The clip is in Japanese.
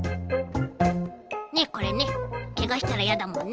ねっこれねけがしたらやだもんね。